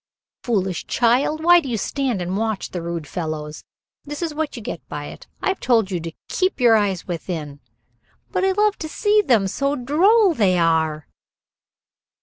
"Foolish child! Why do you stand and watch the rude fellows? This is what you get by it. I have told you to keep your eyes within." "But I love to see them, so droll they are."